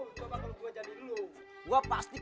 kok apa kalo gua jadi lu